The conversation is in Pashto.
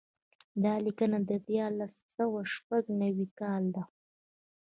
دا لیکنه د دیارلس سوه شپږ نوي کال ده.